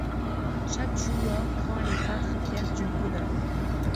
Chaque joueur prend les quatre pièces d'une couleur.